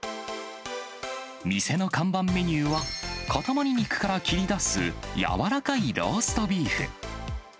店の看板メニューは、塊肉から切り出す柔らかいローストビーフ。